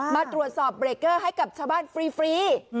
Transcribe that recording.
มาตรวจสอบเบรกเกอร์ให้กับชาวบ้านฟรี